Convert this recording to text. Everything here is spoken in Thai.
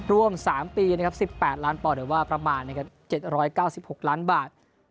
รวมสามปีนะครับสิบแปดล้านปอนเดี๋ยวว่าประมาณนะครับเจ็ดร้อยเก้าสิบหกล้านบาท